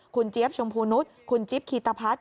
คุณเจี๊ยบชมพูนุษย์คุณจิ๊บคีตะพัฒน์